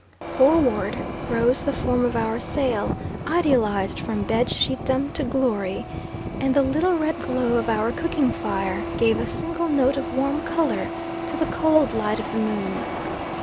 Forward rose the form of our sail, idealised from bed sheetdom to glory; and the little red glow of our cooking fire gave a single note of warm colour to the cold light of the moon.